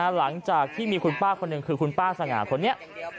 หลังจากที่มีคุณป้าคนหนึ่งคือคุณป้าสง่าคนนี้